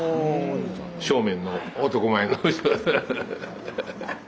正面の男前の人。